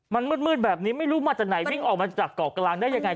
มันมืดแบบนี้ไม่รู้มาจากไหนวิ่งออกมาจากเกาะกลางได้ยังไง